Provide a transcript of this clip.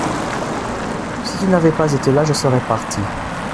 Si tu n’avais pas été là je serais parti.